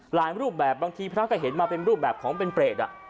รูปแบบบางทีพระก็เห็นมาเป็นรูปแบบของเป็นเปรต